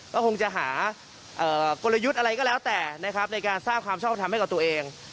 ก็คงจะหากลยุทธ์อะไรก็แล้วแต่นะครับในการสร้างความชอบทำให้กับตัวเอง